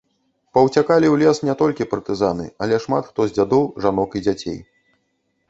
Паўцякалі ў лес не толькі партызаны, але шмат хто з дзядоў, жанок і дзяцей.